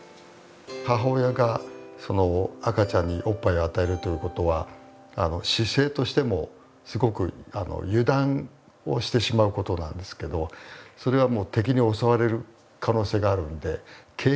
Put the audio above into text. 母親が赤ちゃんにおっぱいを与えるということは姿勢としてもすごく油断をしてしまうことなんですけどそれはもう敵に襲われる可能性があるんで警戒をしてるわけですお母さんとしては。